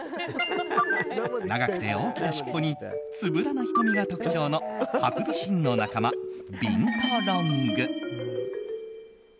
長くて大きなしっぽにつぶらな瞳が特徴のハクビシンの仲間、ビントロング。